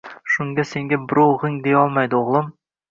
Shunda senga birov g`ing deyolmaydi, o`g`lim